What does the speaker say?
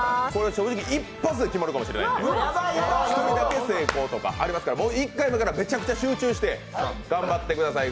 正直、一発で決まるかもしれないので１人だけ成功とかありますから、１回目からめちゃくちゃ集中して頑張ってください。